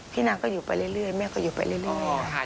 นางก็อยู่ไปเรื่อยแม่ก็อยู่ไปเรื่อย